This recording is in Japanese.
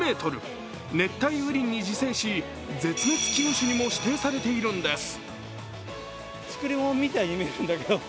熱帯雨林に自生し絶滅危惧種にも指定されているんです。